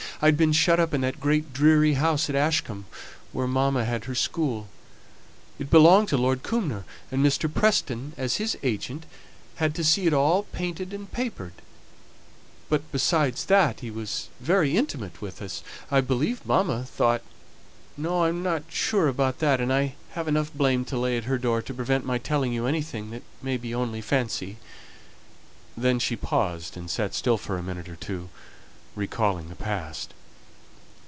I had been shut up in that great dreary house at Ashcombe, where mamma had her school; it belonged to Lord Cumnor, and Mr. Preston as his agent had to see it all painted and papered; but, besides that, he was very intimate with us; I believe mamma thought no, I'm not sure about that, and I have enough blame to lay at her door, to prevent my telling you anything that may be only fancy " Then she paused and sate still for a minute or two, recalling the past.